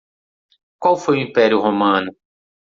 Qual foi o império romano?